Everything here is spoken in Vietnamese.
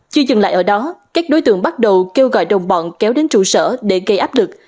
chưa dừng lại ở đó các đối tượng bắt đầu kêu gọi đồng bọn kéo đến trụ sở để gây áp lực